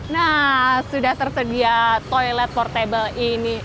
nah sudah tersedia toilet portable ini